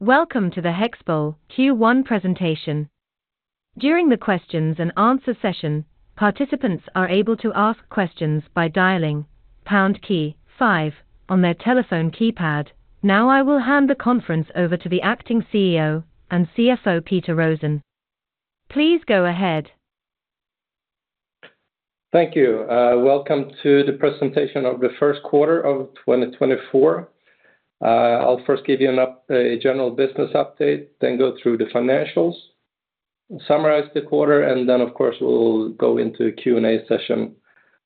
Welcome to the HEXPOL Q1 presentation. During the questions and answers session, participants are able to ask questions by dialing pound key five on their telephone keypad. Now, I will hand the conference over to the Acting CEO and CFO, Peter Rosén. Please go ahead. Thank you. Welcome to the presentation of the first quarter of 2024. I'll first give you a general business update, then go through the financials, summarize the quarter, and then, of course, we'll go into the Q&A session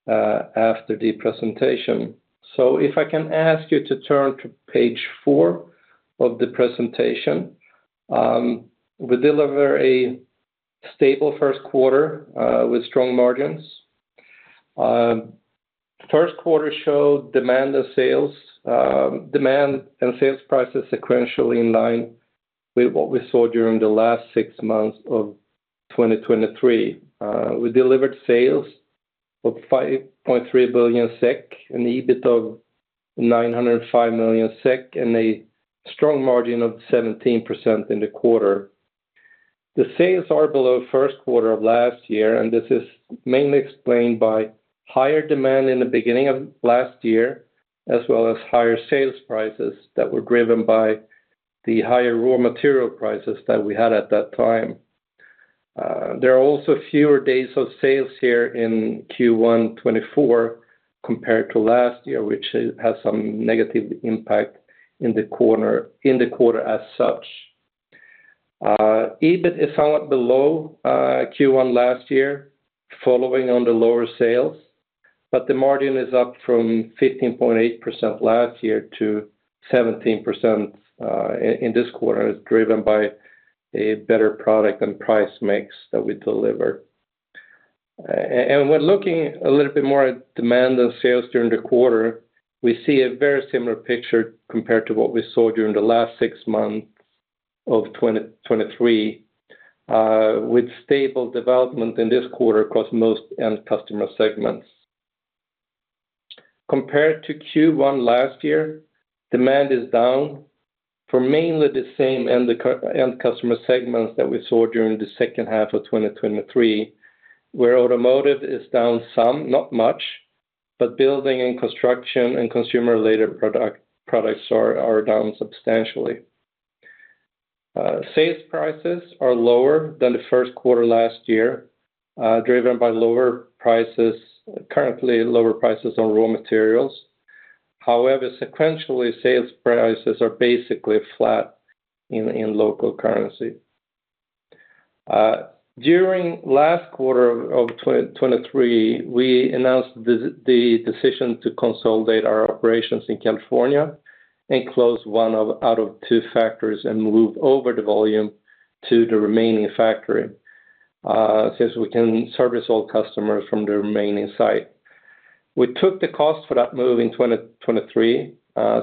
after the presentation. So if I can ask you to turn to page four of the presentation. We deliver a stable first quarter with strong margins. First quarter showed demand and sales demand and sales prices sequentially in line with what we saw during the last six months of 2023. We delivered sales of 5.3 billion SEK and EBIT of 905 million SEK, and a strong margin of 17% in the quarter. The sales are below first quarter of last year, and this is mainly explained by higher demand in the beginning of last year, as well as higher sales prices that were driven by the higher raw material prices that we had at that time. There are also fewer days of sales here in Q1 2024 compared to last year, which has some negative impact in the quarter, in the quarter as such. EBIT is somewhat below Q1 last year, following on the lower sales, but the margin is up from 15.8% last year to 17% in this quarter, driven by a better product and price mix that we deliver. And when looking a little bit more at demand and sales during the quarter, we see a very similar picture compared to what we saw during the last six months of 2023, with stable development in this quarter across most end customer segments. Compared to Q1 last year, demand is down for mainly the same end customer segments that we saw during the second half of 2023, where automotive is down some, not much, but building and construction and consumer-related products are down substantially. Sales prices are lower than the first quarter last year, driven by lower prices, currently lower prices on raw materials. However, sequentially, sales prices are basically flat in local currency. During last quarter of 2023, we announced the decision to consolidate our operations in California and close one out of two factories and move over the volume to the remaining factory, since we can service all customers from the remaining site. We took the cost for that move in 2023,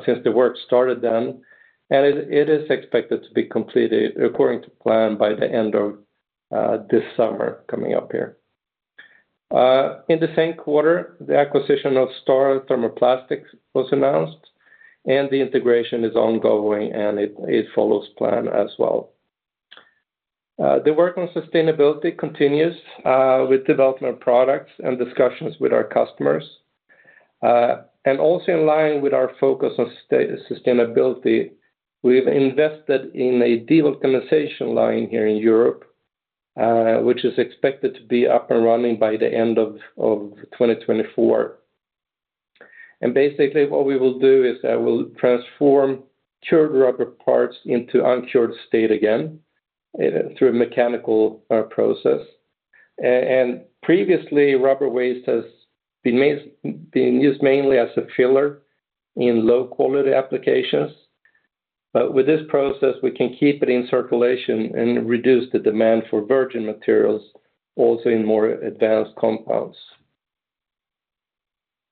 since the work started then, and it is expected to be completed according to plan by the end of this summer coming up here. In the same quarter, the acquisition of Star Thermoplastics was announced, and the integration is ongoing, and it follows plan as well. The work on sustainability continues, with development of products and discussions with our customers. And also in line with our focus on sustainability, we've invested in a devulcanization line here in Europe, which is expected to be up and running by the end of 2024. Basically, what we will do is that we'll transform cured rubber parts into uncured state again through a mechanical process. And previously, rubber waste has been used mainly as a filler in low-quality applications, but with this process, we can keep it in circulation and reduce the demand for virgin materials, also in more advanced compounds.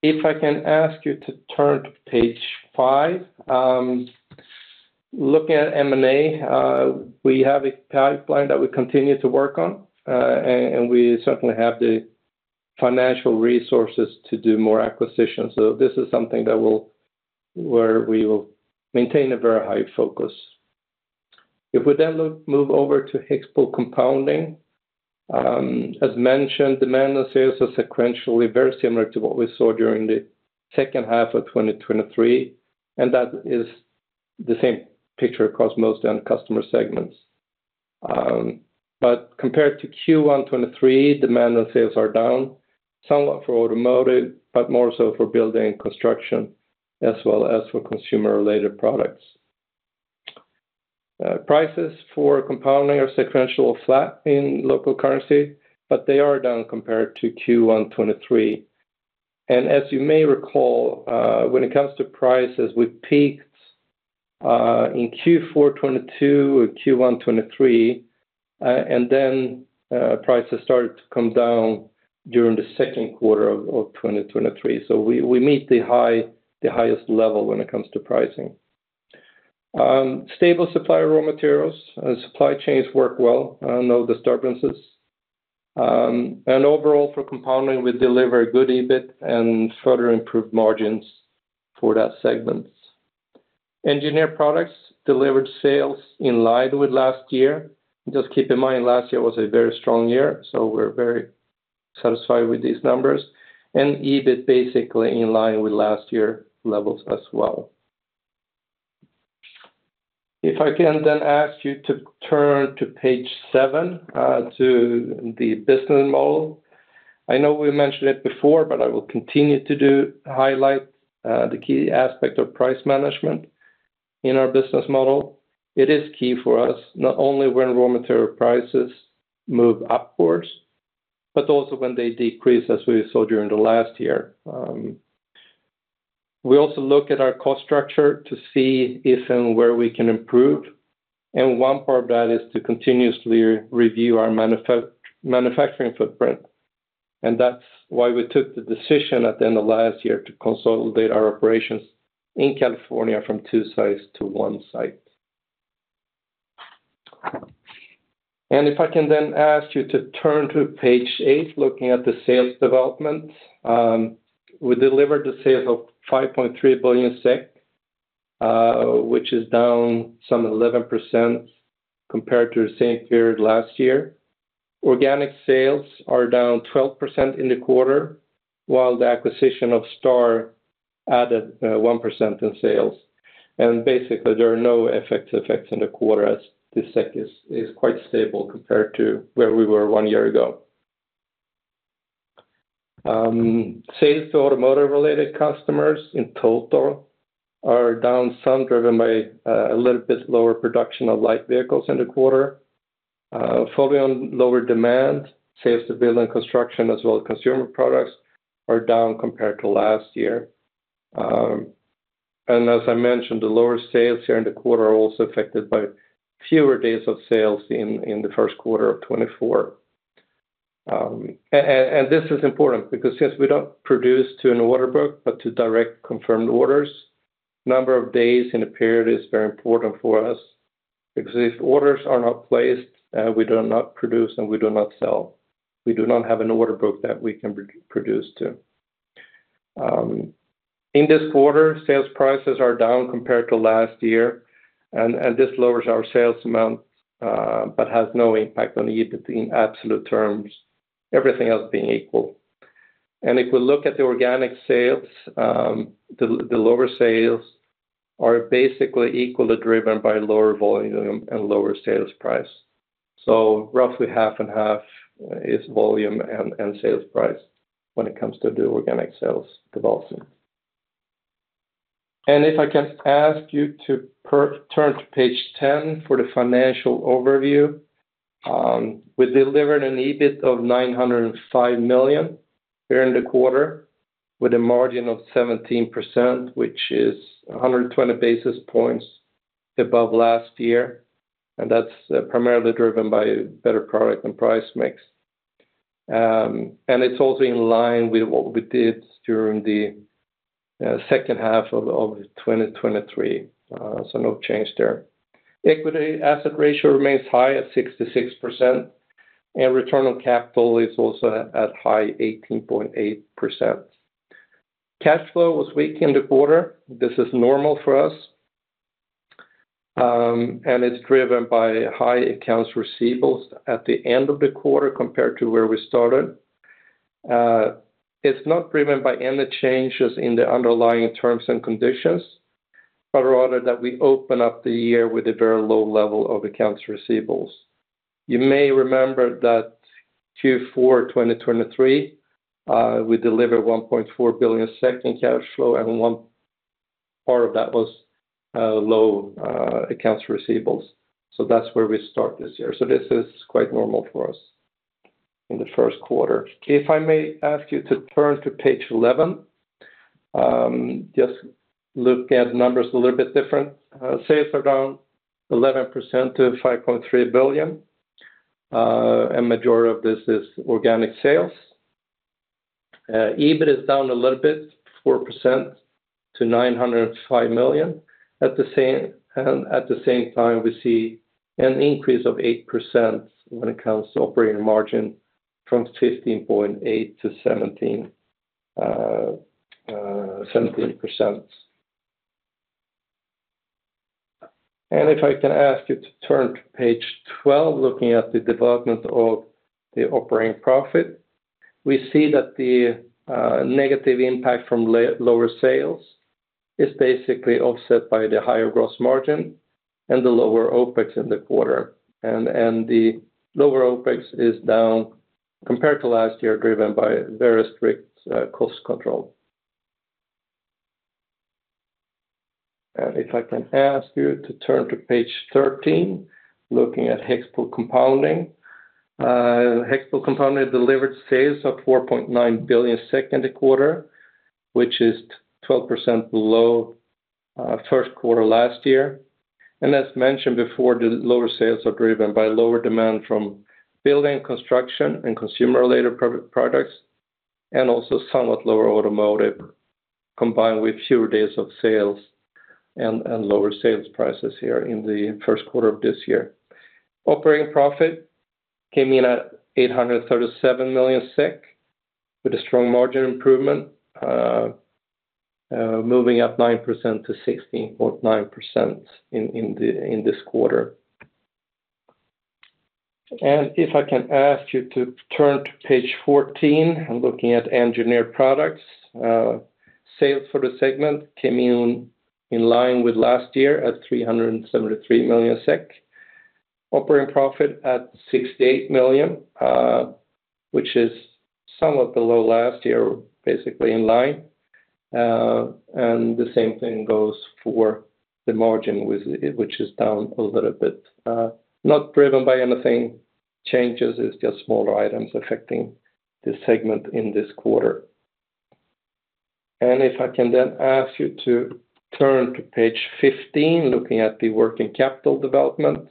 If I can ask you to turn to page five, looking at M&A, we have a pipeline that we continue to work on, and we certainly have the financial resources to do more acquisitions. So this is something that we'll... where we will maintain a very high focus. If we then move over to HEXPOL Compounding, as mentioned, demand and sales are sequentially very similar to what we saw during the second half of 2023, and that is the same picture across most end customer segments. But compared to Q1 2023, demand and sales are down somewhat for automotive, but more so for building and construction, as well as for consumer-related products. Prices for compounding are sequential flat in local currency, but they are down compared to Q1 2023. And as you may recall, when it comes to prices, we peaked in Q4 2022 or Q1 2023, and then prices started to come down during the second quarter of 2023. So we meet the highest level when it comes to pricing. Stable supply of raw materials and supply chains work well, no disturbances. And overall for Compounding, we deliver good EBIT and further improve margins for that segment. Engineered Products delivered sales in line with last year. Just keep in mind, last year was a very strong year, so we're very satisfied with these numbers, and EBIT basically in line with last year levels as well. If I can then ask you to turn to page seven, to the business model. I know we mentioned it before, but I will continue to do highlight, the key aspect of price management in our business model. It is key for us, not only when raw material prices move upwards, but also when they decrease, as we saw during the last year. We also look at our cost structure to see if and where we can improve, and one part of that is to continuously review our manufacturing footprint. That's why we took the decision at the end of last year to consolidate our operations in California from two sites to one site. If I can then ask you to turn to page eight, looking at the sales development. We delivered the sales of 5.3 billion SEK, which is down some 11% compared to the same period last year. Organic sales are down 12% in the quarter, while the acquisition of Star added 1% in sales. Basically, there are no effects in the quarter, as the SEK is quite stable compared to where we were one year ago. Sales to automotive-related customers in total are down, some driven by a little bit lower production of light vehicles in the quarter. Fully on lower demand, sales to building construction as well as consumer products are down compared to last year. And as I mentioned, the lower sales here in the quarter are also affected by fewer days of sales in the first quarter of 2024. And this is important because since we don't produce to an order book, but to direct confirmed orders, number of days in a period is very important for us. Because if orders are not placed, we do not produce, and we do not sell. We do not have an order book that we can produce to. In this quarter, sales prices are down compared to last year, and this lowers our sales amount, but has no impact on the EBIT in absolute terms, everything else being equal. If we look at the organic sales, the lower sales are basically equally driven by lower volume and lower sales price. Roughly half and half is volume and sales price when it comes to the organic sales development. If I can ask you to turn to page 10 for the financial overview. We delivered an EBIT of 905 million during the quarter, with a margin of 17%, which is 120 basis points above last year, and that's primarily driven by better product and price mix. And it's also in line with what we did during the second half of 2023, so no change there. Equity asset ratio remains high at 66%, and return on capital is also at high 18.8%. Cash flow was weak in the quarter. This is normal for us, and it's driven by high accounts receivables at the end of the quarter compared to where we started. It's not driven by any changes in the underlying terms and conditions, but rather that we open up the year with a very low level of accounts receivables. You may remember that Q4 2023, we delivered 1.4 billion in cash flow, and one part of that was low accounts receivables. So that's where we start this year. So this is quite normal for us in the first quarter. If I may ask you to turn to page 11, just look at numbers a little bit different. Sales are down 11% to 5.3 billion, and majority of this is organic sales. EBIT is down a little bit, 4% to 905 million. At the same time, we see an increase of 8% when it comes to operating margin from 15.8%-17%. And if I can ask you to turn to page 12, looking at the development of the operating profit, we see that the negative impact from lower sales is basically offset by the higher gross margin and the lower OpEx in the quarter. The lower OpEx is down compared to last year, driven by very strict cost control. If I can ask you to turn to page 13, looking at HEXPOL Compounding. HEXPOL Compounding delivered sales of 4.9 billion in the quarter, which is 12% below first quarter last year. And as mentioned before, the lower sales are driven by lower demand from building, construction, and consumer-related products, and also somewhat lower automotive combined with fewer days of sales and lower sales prices here in the first quarter of this year. Operating profit came in at 837 million SEK, with a strong margin improvement, moving up 9% to 16.9% in this quarter. If I can ask you to turn to page 14, I'm looking at Engineered Products. Sales for the segment came in in line with last year at 373 million SEK. Operating profit at 68 million SEK, which is somewhat below last year, basically in line. And the same thing goes for the margin, which is down a little bit, not driven by anything changes, it's just smaller items affecting the segment in this quarter. And if I can then ask you to turn to page 15, looking at the working capital development.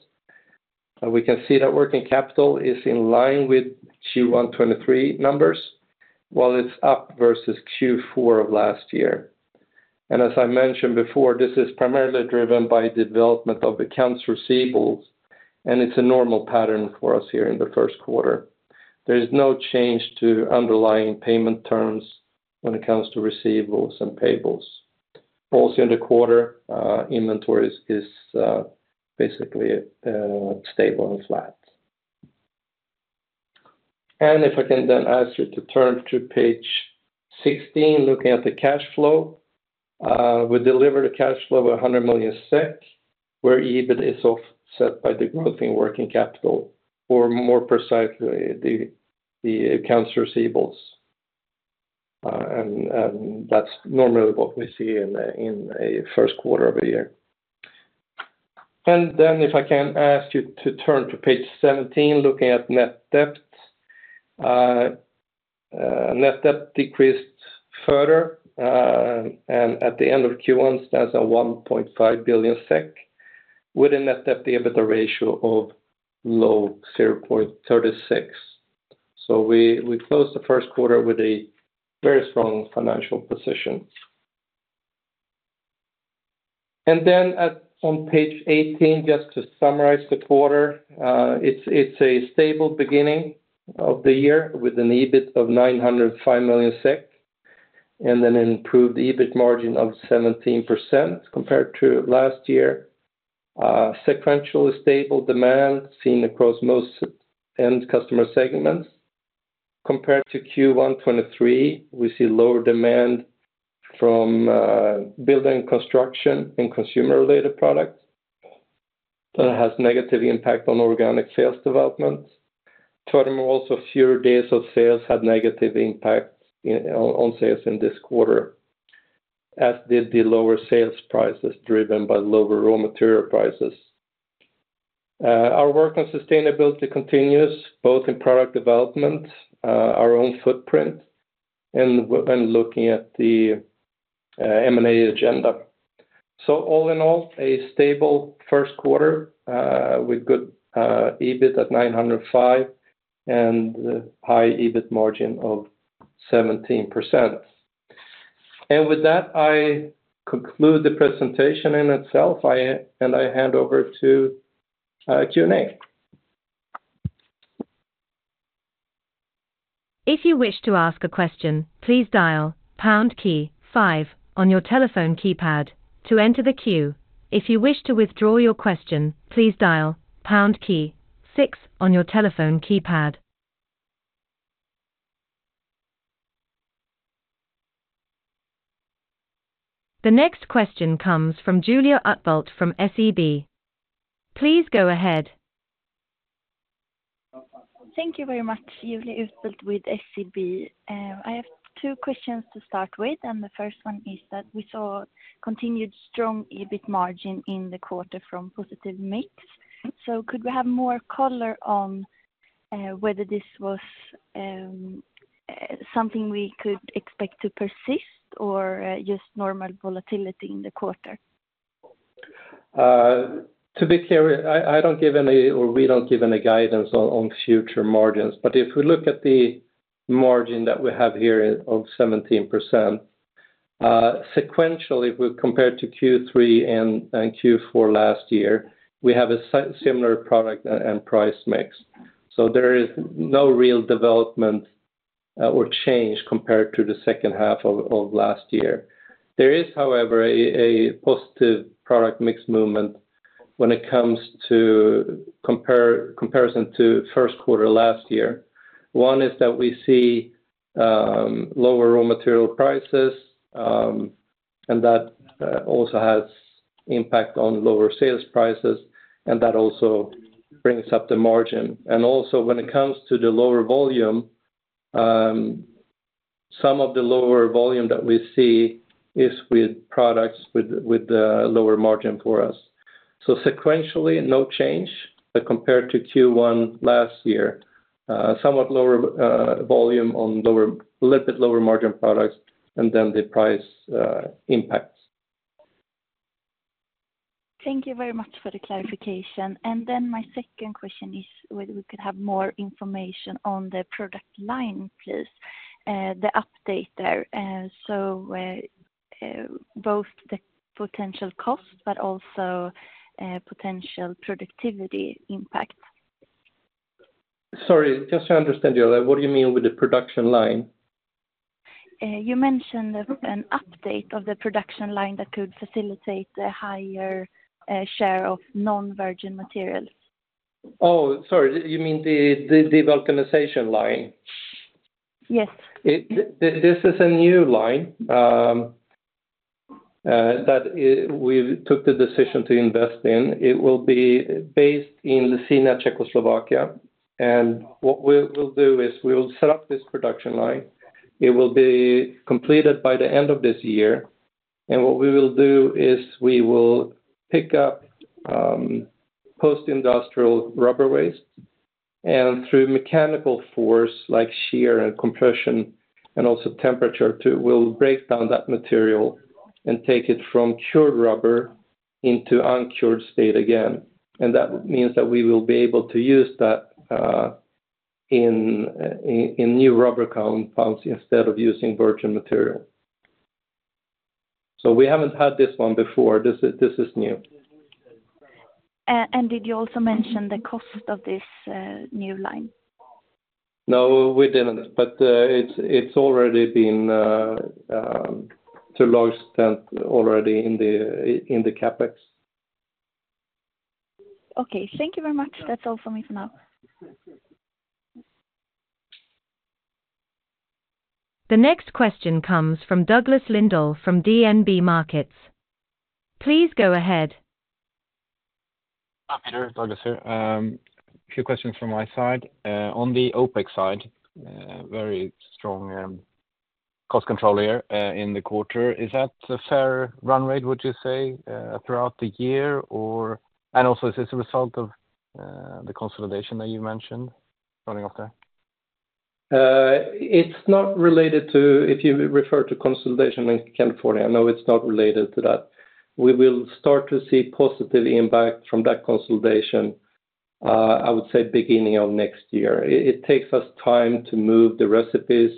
We can see that working capital is in line with Q1 2023 numbers, while it's up versus Q4 of last year. And as I mentioned before, this is primarily driven by development of accounts receivables, and it's a normal pattern for us here in the first quarter. There is no change to underlying payment terms when it comes to receivables and payables. Also, in the quarter, inventories is basically stable and flat. If I can then ask you to turn to page 16, looking at the cash flow. We delivered a cash flow of 100 million SEK, where EBIT is offset by the growth in working capital, or more precisely, the accounts receivables. And that's normally what we see in a first quarter of a year. Then, if I can ask you to turn to page 17, looking at net debt. Net debt decreased further, and at the end of Q1, stands at 1.5 billion SEK, with a net debt to EBITDA ratio of low 0.36. So we closed the first quarter with a very strong financial position. Then, on page 18, just to summarize the quarter, it's a stable beginning of the year, with an EBIT of 905 million SEK, and an improved EBIT margin of 17% compared to last year. Sequentially stable demand seen across most end customer segments. Compared to Q1 2023, we see lower demand from building construction and consumer-related products. That has negative impact on organic sales development. Furthermore, also, fewer days of sales had negative impact on sales in this quarter, as did the lower sales prices, driven by lower raw material prices. Our work on sustainability continues, both in product development, our own footprint, and looking at the M&A agenda. So all in all, a stable first quarter, with good EBIT at 905 million and a high EBIT margin of 17%. With that, I conclude the presentation in itself. I hand over to Q&A. If you wish to ask a question, please dial pound key five on your telephone keypad to enter the queue. If you wish to withdraw your question, please dial pound key six on your telephone keypad. The next question comes from Julia Utbult from SEB. Please go ahead. Thank you very much, Julia Utbult with SEB. I have two questions to start with, and the first one is that we saw continued strong EBIT margin in the quarter from positive mix. So could we have more color on whether this was something we could expect to persist or just normal volatility in the quarter? To be clear, I don't give any, or we don't give any guidance on future margins. But if we look at the margin that we have here of 17%, sequentially, if we compare to Q3 and Q4 last year, we have a similar product and price mix. So there is no real development or change compared to the second half of last year. There is, however, a positive product mix movement when it comes to comparison to first quarter last year. One is that we see lower raw material prices, and that also has impact on lower sales prices, and that also brings up the margin. And also, when it comes to the lower volume, some of the lower volume that we see is with products with the lower margin for us. So sequentially, no change, but compared to Q1 last year, somewhat lower volume on lower, little bit lower margin products, and then the price impacts.... Thank you very much for the clarification. And then my second question is whether we could have more information on the product line, please, the update there. So, both the potential cost, but also, potential productivity impact. Sorry, just to understand you, what do you mean with the production line? You mentioned an update of the production line that could facilitate a higher share of non-virgin materials. Oh, sorry, you mean the devulcanization line? Yes. This is a new line that we took the decision to invest in. It will be based in Leština, Czech Republic, and what we'll do is we will set up this production line. It will be completed by the end of this year, and what we will do is we will pick up post-industrial rubber waste, and through mechanical force, like shear and compression, and also temperature too, we'll break down that material and take it from cured rubber into uncured state again. And that means that we will be able to use that in new rubber compound instead of using virgin material. So we haven't had this one before. This is new. Did you also mention the cost of this new line? No, we didn't. But it's already been to large extent already in the CapEx. Okay, thank you very much. That's all for me for now. The next question comes from Douglas Lindahl from DNB Markets. Please go ahead. Hi, Peter, Douglas here. A few questions from my side. On the OpEx side, very strong cost control here in the quarter. Is that a fair run rate, would you say, throughout the year? Or, and also, is this a result of the consolidation that you mentioned running up there? It's not related to, if you refer to consolidation in California, no, it's not related to that. We will start to see positive impact from that consolidation, I would say, beginning of next year. It takes us time to move the recipes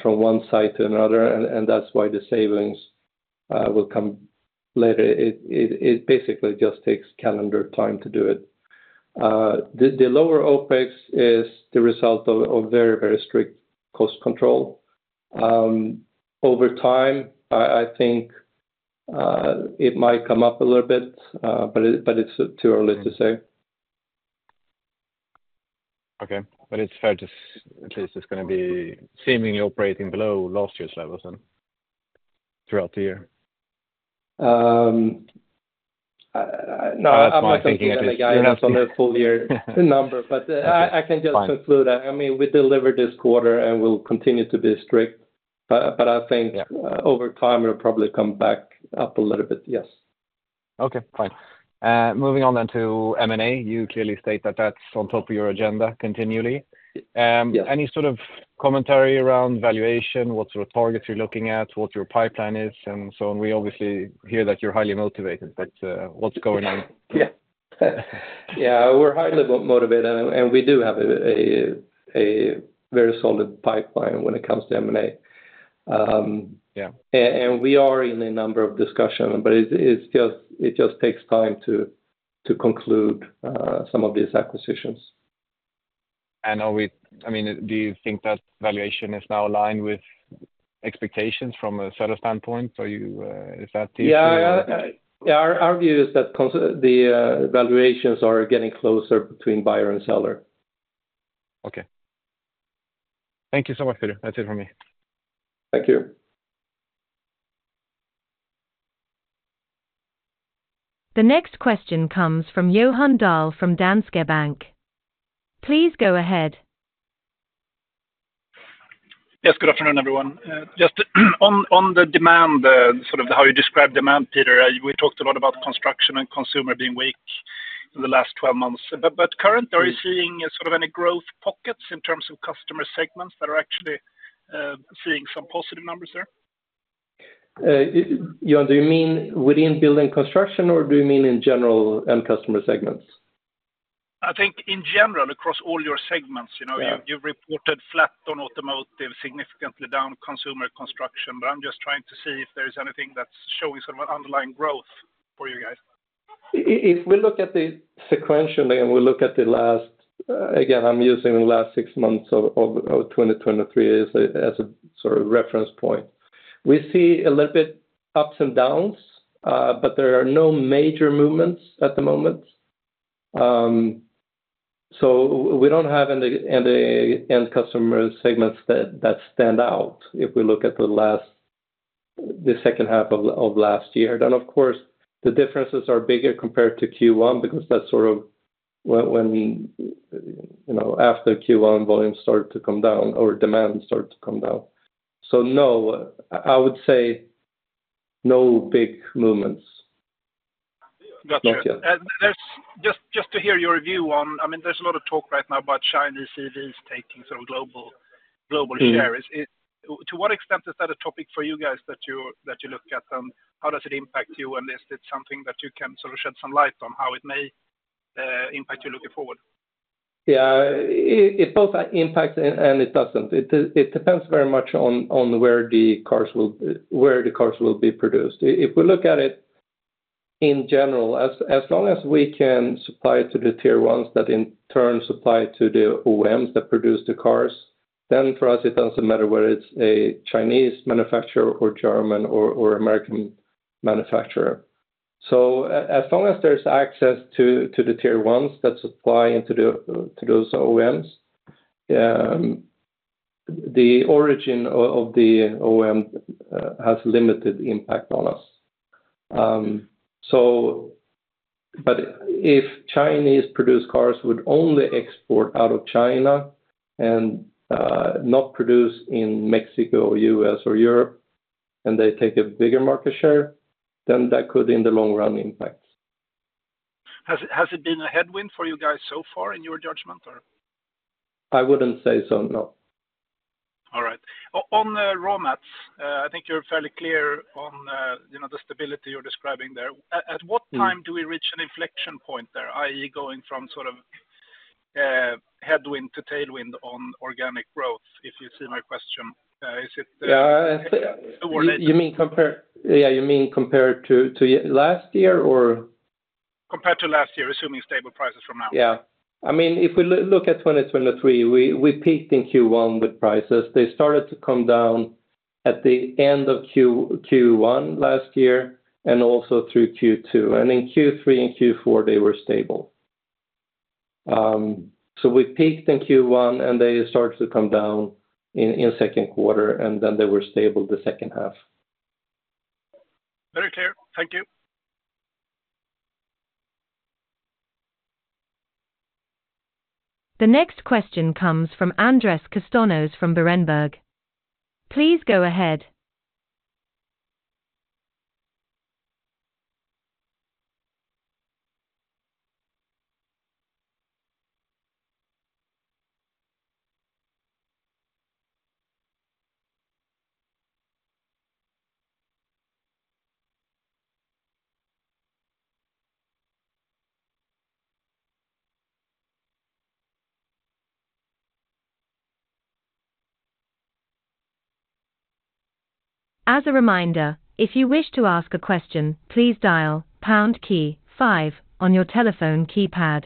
from one site to another, and that's why the savings will come later. It basically just takes calendar time to do it. The lower OpEx is the result of very, very strict cost control. Over time, I think it might come up a little bit, but it's too early to say. Okay. But it's fair to say—at least it's gonna be seemingly operating below last year's levels then, throughout the year? No, I'm not giving guidance on the full-year number, but I can just conclude, I mean, we delivered this quarter, and we'll continue to be strict, but I think- Yeah. -over time, it'll probably come back up a little bit. Yes. Okay, fine. Moving on then to M&A, you clearly state that that's on top of your agenda continually. Yeah. Any sort of commentary around valuation, what sort of targets you're looking at, what your pipeline is, and so on? We obviously hear that you're highly motivated, but, what's going on? Yeah. Yeah, we're highly motivated, and we do have a very solid pipeline when it comes to M&A. Yeah. And we are in a number of discussions, but it's just, it just takes time to conclude some of these acquisitions. I mean, do you think that valuation is now aligned with expectations from a seller standpoint? So you, is that the- Yeah, yeah, our view is that the valuations are getting closer between buyer and seller. Okay. Thank you so much, Peter. That's it from me. Thank you. The next question comes from Johan Dahl from Danske Bank. Please go ahead. Yes, good afternoon, everyone. Just on the demand, sort of how you describe demand, Peter, we talked a lot about construction and consumer being weak in the last 12 months. But currently, are you seeing sort of any growth pockets in terms of customer segments that are actually seeing some positive numbers there? Johan, do you mean within building construction, or do you mean in general end customer segments? I think in general, across all your segments, you know- Yeah. You've reported flat on automotive, significantly down consumer construction. I'm just trying to see if there is anything that's showing some underlying growth for you guys. If we look at the sequentially and we look at the last. Again, I'm using the last six months of 2023 as a sort of reference point. We see a little bit ups and downs, but there are no major movements at the moment. So we don't have any end customer segments that stand out, if we look at the second half of last year. Then, of course, the differences are bigger compared to Q1, because that's sort of when, you know, after Q1, volumes started to come down or demand started to come down. So no, I would say no big movements. Got you. Not yet. Uh, there's-... Just to hear your view on, I mean, there's a lot of talk right now about Chinese cities taking sort of global, global shares. To what extent is that a topic for you guys that you look at? How does it impact you, unless it's something that you can sort of shed some light on, how it may impact you looking forward? Yeah, it both impacts and it doesn't. It depends very much on where the cars will be produced. If we look at it in general, as long as we can supply to the Tier Ones that in turn supply to the OEMs that produce the cars, then for us it doesn't matter whether it's a Chinese manufacturer or German or American manufacturer. So as long as there's access to the Tier Ones that supply to those OEMs, the origin of the OEM has limited impact on us. So but if Chinese produced cars would only export out of China and not produce in Mexico, U.S., or Europe, and they take a bigger market share, then that could, in the long run, impact. Has it been a headwind for you guys so far in your judgment or? I wouldn't say so, no. All right. On the raw mats, I think you're fairly clear on, you know, the stability you're describing there. At what time do we reach an inflection point there, i.e., going from sort of headwind to tailwind on organic growth? If you see my question, is it, You mean compare... Yeah, you mean compared to, to last year or? Compared to last year, assuming stable prices from now. Yeah. I mean, if we look at 2023, we peaked in Q1 with prices. They started to come down at the end of Q1 last year and also through Q2, and in Q3 and Q4, they were stable. So we peaked in Q1, and they started to come down in second quarter, and then they were stable the second half. Very clear. Thank you. The next question comes from Andrés Castaños from Berenberg. Please go ahead. As a reminder, if you wish to ask a question, please dial pound key five on your telephone keypad.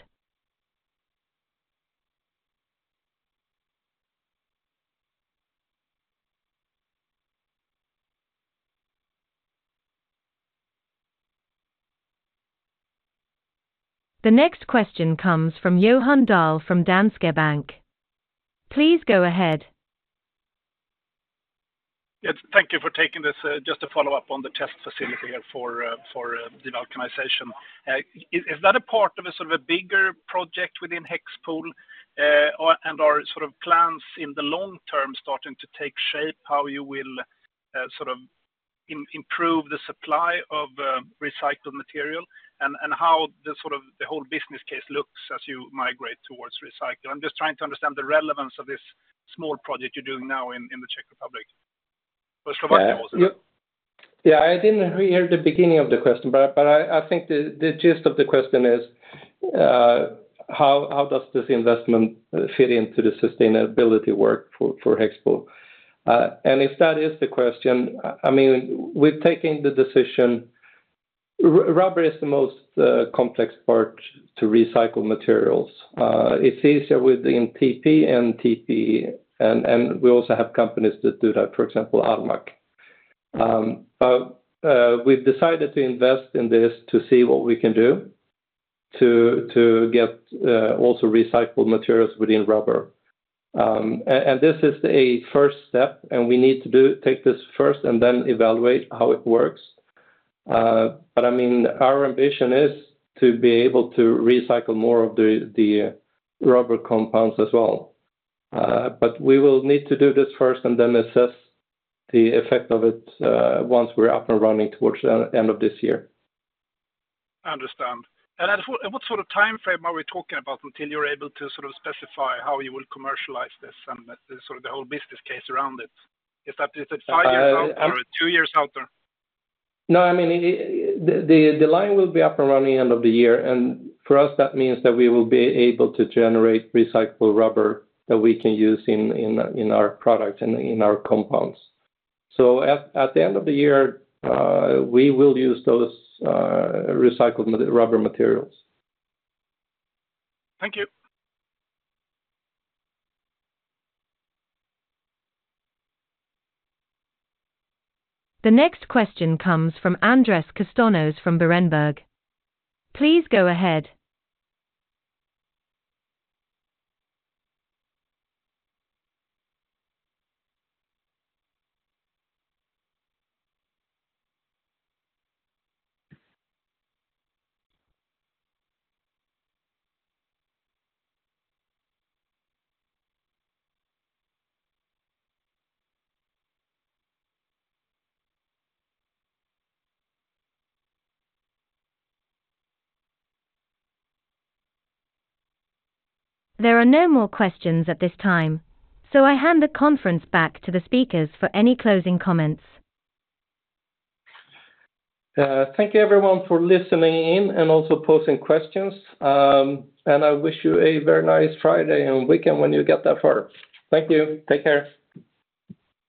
The next question comes from Johan Dahl from Danske Bank. Please go ahead. Yes, thank you for taking this. Just to follow up on the test facility here for devulcanization. Is that a part of a sort of a bigger project within HEXPOL? Or, and are sort of plans in the long term starting to take shape, how you will sort of improve the supply of recycled material, and how the sort of the whole business case looks as you migrate towards recycling? I'm just trying to understand the relevance of this small project you're doing now in the Czech Republic. Yeah, I didn't really hear the beginning of the question, but I think the gist of the question is how does this investment fit into the sustainability work for HEXPOL? And if that is the question, I mean, we've taken the decision. Rubber is the most complex part to recycle materials. It's easier within PP and TPE, and we also have companies that do that, for example, Almaak. But we've decided to invest in this to see what we can do to get also recycled materials within rubber. And this is a first step, and we need to take this first and then evaluate how it works. But I mean, our ambition is to be able to recycle more of the rubber compounds as well. But we will need to do this first and then assess the effect of it, once we're up and running towards the end of this year. I understand. And at what sort of time frame are we talking about until you're able to sort of specify how you will commercialize this and the sort of the whole business case around it? Is it 5 years out or 2 years out there? No, I mean, the line will be up and running end of the year, and for us, that means that we will be able to generate recyclable rubber that we can use in our product and in our compounds. So at the end of the year, we will use those recycled rubber materials. Thank you. The next question comes from Andrés Castaños from Berenberg. Please go ahead. There are no more questions at this time, so I hand the conference back to the speakers for any closing comments. Thank you, everyone, for listening in and also posing questions. I wish you a very nice Friday and weekend when you get that far. Thank you. Take care.